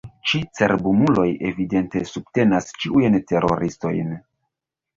Ĉi cerbumuloj evidente subtenas ĉiujn teroristojn.